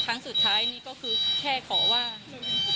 ครั้งสุดท้ายนี่ก็คือแค่ขอว่า